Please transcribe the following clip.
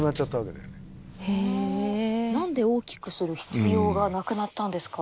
何で大きくする必要がなくなったんですか？